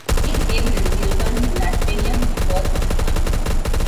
In April he returned to Tasmania for the birth of his son.